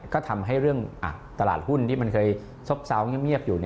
ก็ทำให้เรื่องตลาดหุ้นที่มันเคยซบเซาเงียบอยู่